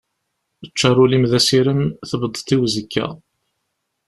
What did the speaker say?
Ččar ul-im d asirem, tbeddeḍ i uzekka.